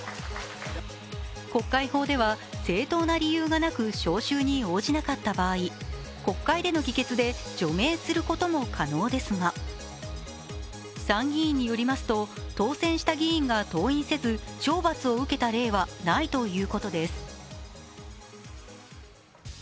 国会法では正当な理由がなく召集に応じなかった場合、国会での議決で除名することも可能ですが、参議院によりますと、当選した議員が登院せず、懲罰を受けた例はないということです。